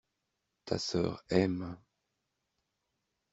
Ta sœur aime.